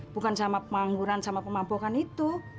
bukan sama pemangguran sama pemampukan itu